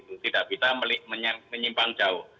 tidak bisa menyimpang jauh